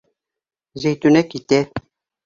Зәйтүнә китә.